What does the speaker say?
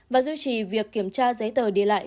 và duy trì việc kiểm tra giấy tờ đi lại